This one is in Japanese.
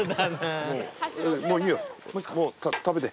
もういいよ。